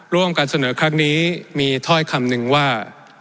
ร่วมการเสนอครั้งนี้มีถ้อยคำหนึ่งว่า